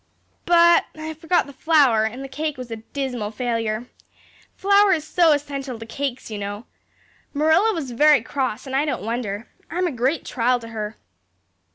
But I forgot the flour and the cake was a dismal failure. Flour is so essential to cakes, you know. Marilla was very cross and I don't wonder. I'm a great trial to her.